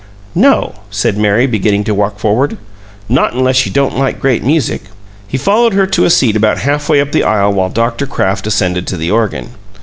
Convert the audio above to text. "No," said Mary, beginning to walk forward. "Not unless you don't like great music." He followed her to a seat about half way up the aisle while Dr. Kraft ascended to the organ.